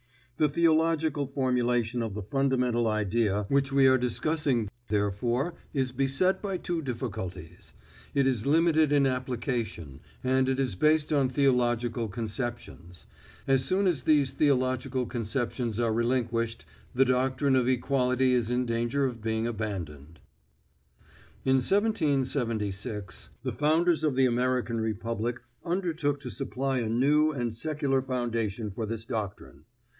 The theological formulation of the fundamental idea which we are discussing, therefore, is beset by two difficulties: it is limited in application, and it is based on theological conceptions. As soon as these theological conceptions are relinquished, the doctrine of equality is in danger of being abandoned. In 1776, the founders of the American Republic undertook to supply a new and a secular foundation for this doctrine.